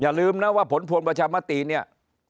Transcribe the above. อย่าลืมนะว่าผลพวงประชามติเนี่ย